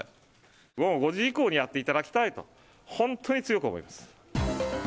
もう５時以降にやっていただきたいと、本当に強く思います。